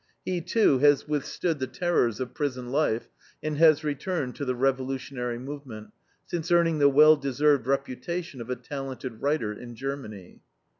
He, too, has withstood the terrors of prison life, and has returned to the revolutionary movement, since earning the well deserved reputation of a talented writer in Germany.